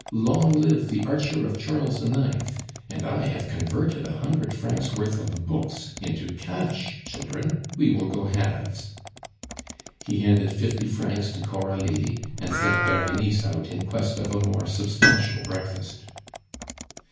Long live The Archer of Charles IX.! And I have converted a hundred francs worth of books into cash, children. We will go halves." He handed fifty francs to Coralie, and sent Berenice out in quest of a more substantial breakfast.